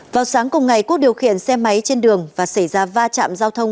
vào sáng cùng ngày quốc điều khiển xe máy trên đường và xảy ra va chạm giao thông